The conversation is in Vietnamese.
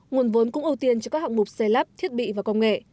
nguồn vốn cũng ưu tiên cho các hạng mục xây lắp thiết bị và công nghệ